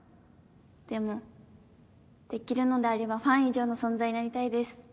でもできるのであればファン以上の存在になりたいです。